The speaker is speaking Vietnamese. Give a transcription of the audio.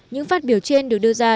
những phát biểu trên được đưa ra